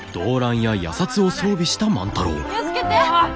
気を付けて！